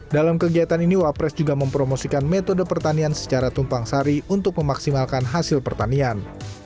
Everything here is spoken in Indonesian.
dalam kegiatan ini wapres juga mempromosikan metode pertanian secara tumpang sari untuk memaksimalkan hasil pertanian